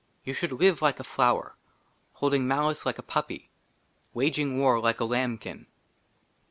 YOU SHOULD LIVE LIKE A FLOWER, " HOLDING MALICE LIKE A PUPPY, "WAGING WAR LIKE A LAMBKIN."